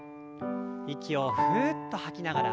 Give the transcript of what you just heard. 息をふうっと吐きながら。